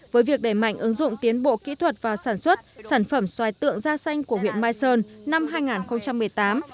với việc đẩy mạnh ứng dụng tiến bộ kỹ thuật và sản xuất sản phẩm xoài tượng da xanh của huyện mai sơn năm hai nghìn một mươi tám